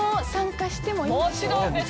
もちろんです！